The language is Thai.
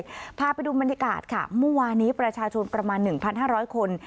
มาเรื่อยพาไปดูบรรยากาศค่ะมุมวานี้ประชาชนประมาณ๑๕๐๐คน